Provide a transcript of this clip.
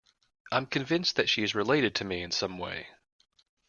I'm convinced that she is related to me in some way.